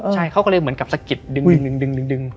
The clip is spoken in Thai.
ใช่เขาก็เลยเหมือนกับสะกิดดึง